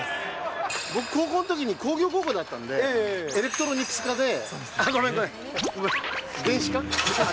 僕、高校のときに工業高校だったんで、エレクトロニクス科で、あっ、ごめん、ごめん、電子科。